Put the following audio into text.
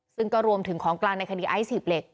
ซึ่งก็รวมถึงของกลางในคดีไอซ์หีบเหล็ก